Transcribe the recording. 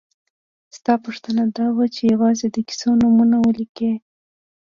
ستا پوښتنه دا وه چې یوازې د کیسو نومونه ولیکئ.